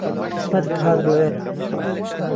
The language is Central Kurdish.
قیسمهتت هات بۆ ئێره